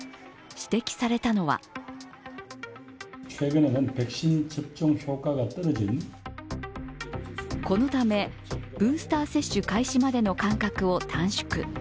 指摘されたのはこのため、ブースター接種開始までの間隔を短縮。